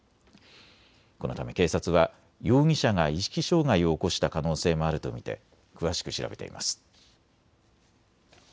このため警察は容疑者が意識障害を起こした可能性もあると見て詳しく調べています。